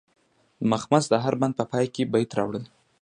د مخمس د هر بند په پای کې بیت راوړل.